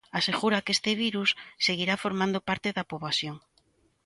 Asegura que este virus seguirá formando parte da poboación.